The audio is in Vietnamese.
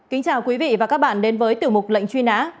kính chào quý vị và các bạn đến với tiểu mục lệnh truy nã